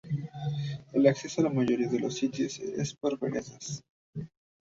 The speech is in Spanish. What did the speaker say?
El acceso a la mayoría de los sitios es por veredas.